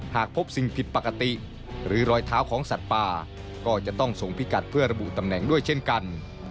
หากพบสิ่งผิดปกติหรือรอยเท้าของสัตว์ป่าก็จะต้องส่งพิกัดเพื่อระบุตำแหน่งด้วยเช่นกัน